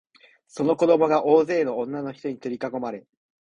その子供が大勢の女のひとに取りかこまれ、